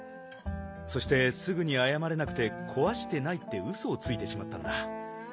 そしてすぐにあやまれなくて「こわしてない」ってウソをついてしまったんだ。